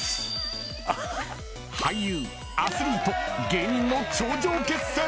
俳優、アスリート、芸人の頂上決戦。